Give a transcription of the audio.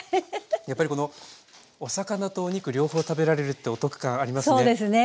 やっぱりこのお魚とお肉両方食べられるってお得感ありますね。